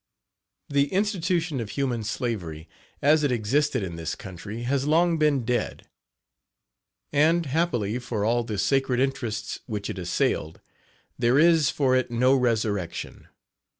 The institution of human slavery, as it existed in this country, has long been dead; and, happily for all the sacred interests which it assailed, there is for it no resurrection.